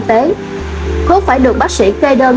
thuốc phải được bác sĩ kê đơn